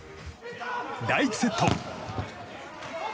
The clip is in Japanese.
第１セット。